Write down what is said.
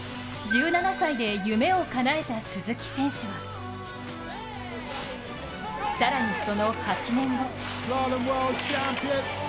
１７歳で夢をかなえた鈴木選手は更にその８年後。